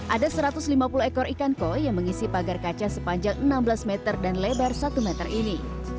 ada satu ratus lima puluh ekor ikan koi yang mengisi pagar kaca sepanjang enam belas meter dan lebar satu meter ini